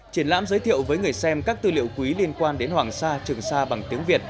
triển lãm giới thiệu với người xem các tư liệu quý liên quan đến hoàng sa trường sa bằng tiếng việt